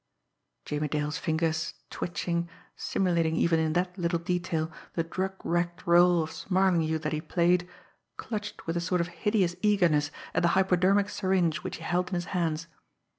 Jimmie Dale's fingers, twitching, simulating even in that little detail the drug wrecked role of Smarlinghue that he played, clutched with a sort of hideous eagerness at the hypodermic syringe which he held in his hands.